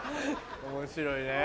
面白いねぇ。